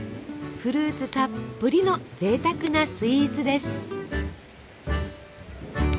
フルーツたっぷりのぜいたくなスイーツです！